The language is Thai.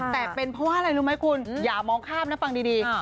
แต่เป็นเพราะว่าอะไรรู้ไหมคุณอย่ามองข้ามนะฟังดี